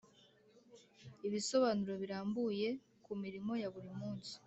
ibisobanuro birambuye ku mirimo ya buri munsi